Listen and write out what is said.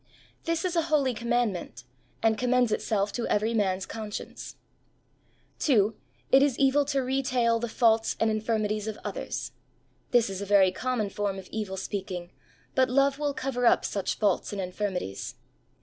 This is a holy commandment, and commends itself to every man*s conscience. 2. It is evil to retail the faults and infirmities of others. This is a very common form of evil speaking, but love will cover up such faults and infirmities.